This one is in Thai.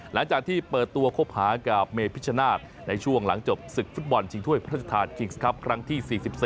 หลังจากที่เปิดตัวคบหากับเมพิชชนาธิ์ในช่วงหลังจบศึกฟุตบอลชิงถ้วยพระราชทานคิงส์ครับครั้งที่๔๓